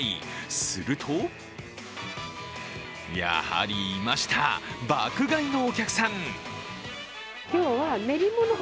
するとやはりいました爆買いのお客さん。